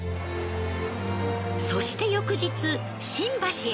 そして翌日新橋へ。